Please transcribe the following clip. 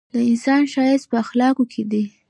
د انسان ښایست په اخلاقو کي دی!